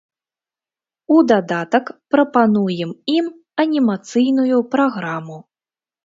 У дадатак прапануем ім анімацыйную праграму.